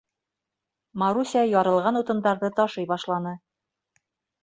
Маруся ярылған утындарҙы ташый башланы.